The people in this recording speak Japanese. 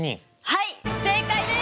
はい正解です！